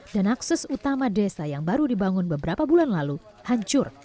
dan akses utama desa yang baru dibangun beberapa bulan lalu hancur